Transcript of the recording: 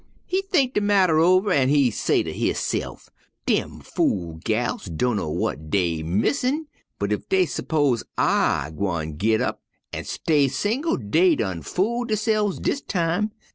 "He think de marter all over an' he say ter hisse'f: 'Dem fool gals dunno w'at dey missin', but ef dey s'pose I gwine gin up an' stay single, dey done fool derse'fs dis time.